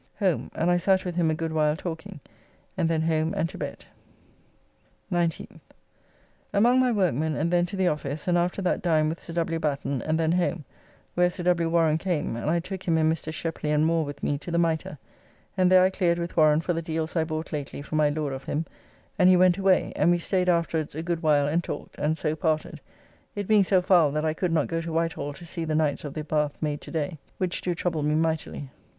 Home, and I sat with him a good while talking, and then home and to bed. 19th. Among my workmen and then to the office, and after that dined with Sir W. Batten, and then home, where Sir W. Warren came, and I took him and Mr. Shepley and Moore with me to the Mitre, and there I cleared with Warren for the deals I bought lately for my Lord of him, and he went away, and we staid afterwards a good while and talked, and so parted, it being so foul that I could not go to Whitehall to see the Knights of the Bath made to day, which do trouble me mightily.